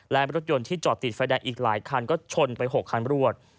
และรถยนต์ที่จอดติดไฟแดงอีกหลายคันก็ชนไป๖คันรวด